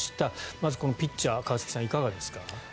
まずピッチャー川崎さん、いかがですか。